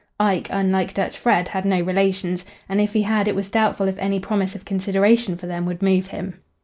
Ike, unlike Dutch Fred, had no relations, and if he had it was doubtful if any promise of consideration for them would move him.